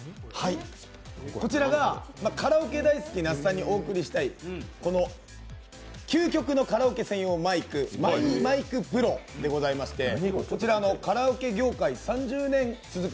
こちらがカラオケ大好き那須さんにお贈りしたい究極のカラオケマイクマイマイクＰＲＯてございまして、こちら、カラオケ業界３０年続く